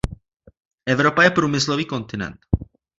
Evropa je průmyslový kontinent.